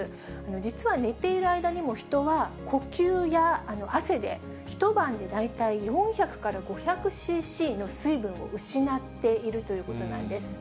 実は寝ている間にも、人は呼吸や汗で一晩で大体４００から５００ｃｃの水分を失っているということなんです。